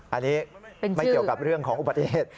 อันนี้ไม่เกี่ยวกับเรื่องของอุบัติเหตุ